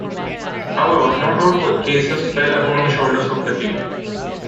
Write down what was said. However, not all cases fell upon the shoulders of the king.